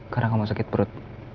karena kamu sakit perut